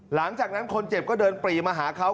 หลังจากนั้นคนเจ็บก็เดินปรีมาหาเขา